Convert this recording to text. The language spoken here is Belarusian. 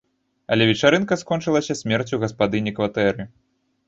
Але вечарынка скончылася смерцю гаспадыні кватэры.